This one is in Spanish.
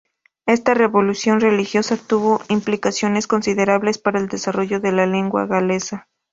Esta revolución religiosa tuvo implicaciones considerables para el desarrollo de la lengua galesa.